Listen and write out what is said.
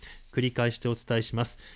繰り返して、お伝えします。